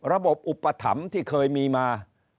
ระบบอุปถัมฯที่เคยมีมา